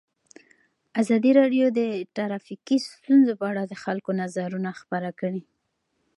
ازادي راډیو د ټرافیکي ستونزې په اړه د خلکو نظرونه خپاره کړي.